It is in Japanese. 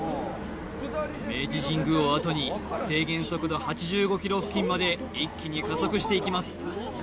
明治神宮をあとに制限速度８５キロ付近まで一気に加速していきます